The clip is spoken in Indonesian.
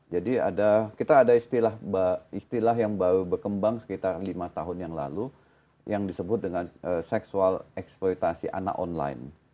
jadi kita ada istilah yang baru berkembang sekitar lima tahun yang lalu yang disebut dengan seksual eksploitasi anak online